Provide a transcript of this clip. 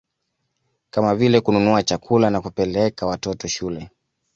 Kama vile kununua chakula na kupeleka watoto shule